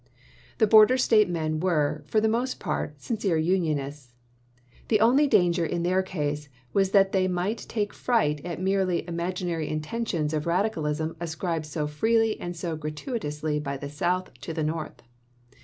The border State men were, for the most part, sincere Unionists. The only danger in their case was that they might take fright at merely imagi nary intentions of radicalism ascribed so freely and so gratuitously by the South to the North.